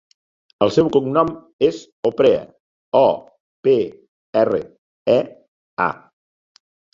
El seu cognom és Oprea: o, pe, erra, e, a.